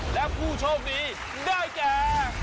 และผู้โชคดีได้แก่